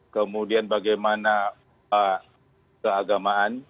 kemudian bagaimana keagamaan